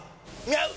合う！！